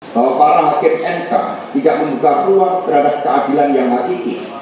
bahwa para hakim nk tidak membuka ruang terhadap keadilan yang mengatiki